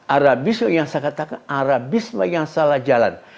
arabisme yang saya katakan arabisme yang salah jalan